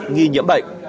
nghi nhiễm bệnh